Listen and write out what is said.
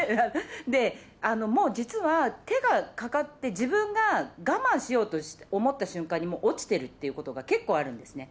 で、もう実は、手がかかって、自分が我慢しようと思った瞬間にもう落ちてるということが結構あるんですね。